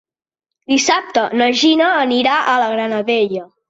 Dissabte na Gina anirà a la Granadella.